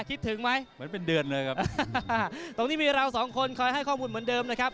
คิดถึงไหมเหมือนเป็นเดือนเลยครับตรงนี้มีเราสองคนคอยให้ข้อมูลเหมือนเดิมนะครับ